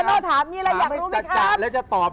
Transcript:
โตโน่ถามมีอะไรอยากรู้ไหมครับถามแล้วจะตอบ